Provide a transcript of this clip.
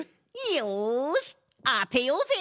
よしあてようぜ！